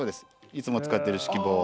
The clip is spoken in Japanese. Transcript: いつも使ってる指揮棒。